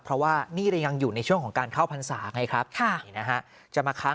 เพราะว่านี่เรายังอยู่ในช่วงของการเข้าพรรษาไงครับ